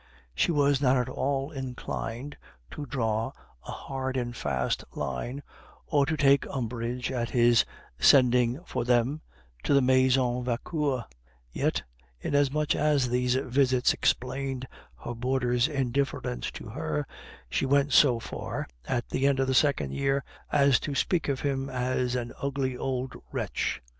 She was not at all inclined to draw a hard and fast line, or to take umbrage at his sending for them to the Maison Vauquer; yet, inasmuch as these visits explained her boarder's indifference to her, she went so far (at the end of the second year) as to speak of him as an "ugly old wretch."